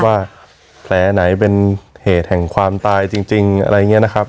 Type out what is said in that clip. ว่าแผลไหนเป็นเหตุแห่งความตายจริงอะไรอย่างนี้นะครับ